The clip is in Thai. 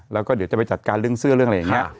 แล้วก็เดี๋ยวจะไปจัดการเรื่องเสื้อเรื่องอะไรอย่างนี้